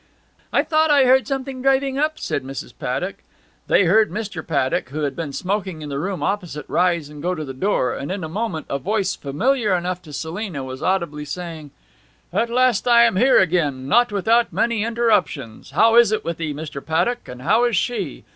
'I thought I heard something driving up!' said Mrs Paddock. They heard Mr. Paddock, who had been smoking in the room opposite, rise and go to the door, and in a moment a voice familiar enough to Selina was audibly saying, 'At last I am here again not without many interruptions! How is it with 'ee, Mr. Paddock? And how is she?